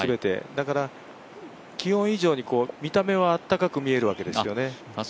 だから、気温以上に見た目は暖かく見えるわけですね。